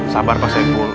sabar pasai pul